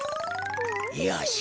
よし。